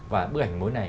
và bức ảnh mối này